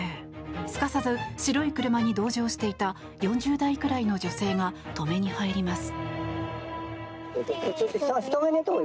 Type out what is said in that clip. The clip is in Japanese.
すかさず、白い車に同乗していた４０代くらいの女性が止めに入ります。